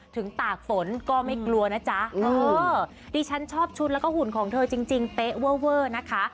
ถึงตากฝนก็ไม่กลัวนะจ๊ะดิฉันชอบชุดและหุ่นของเธอจริงเป๊ะเวอร์นะคะ